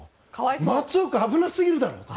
松岡、危なすぎるだろうと。